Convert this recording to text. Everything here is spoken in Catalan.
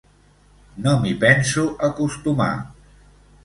No m’hi penso acostumar.